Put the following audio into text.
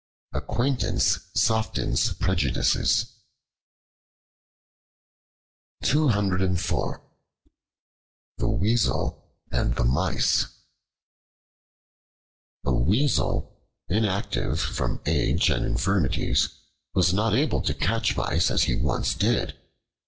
Acquaintance softens prejudices. The Weasel and the Mice A WEASEL, inactive from age and infirmities, was not able to catch mice as he once did.